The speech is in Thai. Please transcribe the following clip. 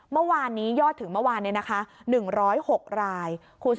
เมื่อวานนี้ยอดถึงเมื่อวานนี้นะคะ๑๐๖ราย